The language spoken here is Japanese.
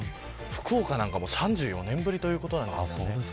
福岡は３４年ぶりということなんですね。